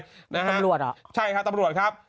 ตำรวจเหรอใช่ครับตำรวจครับ